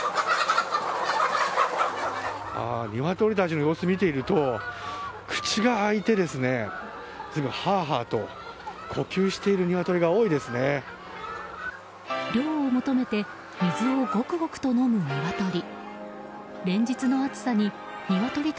ニワトリたちの様子を見ていると口が開いてはあはあと呼吸している涼を求めて水をごくごくと飲むニワトリ。